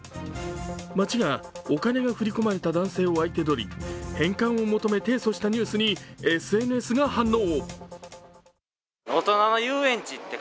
町がお金が振り込まれた男性を相手取り返還を求め提訴したニュースにＳＮＳが反応。